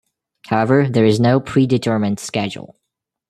However, there is no predetermined schedule.